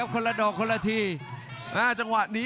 รับทราบบรรดาศักดิ์